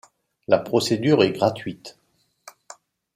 La procédure est gratuite.